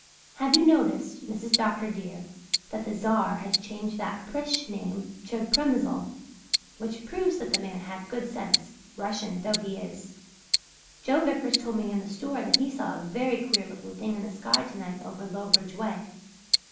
Have you noticed, Mrs. Dr. dear, that the Czar has changed that Prish name to Premysl, which proves that the man had good sense, Russian though he is? Joe Vickers told me in the store that he saw a very queer looking thing in the sky tonight over Lowbridge way.